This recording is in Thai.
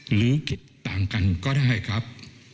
หรือคิดต่างกันก็ได้ครับ